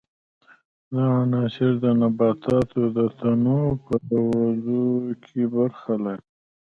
دا عنصر د نباتاتو د تنو په ودې کې برخه لري.